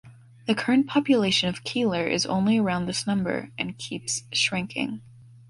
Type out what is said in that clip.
The current population of Keeler is only around this number and keeps shrinking.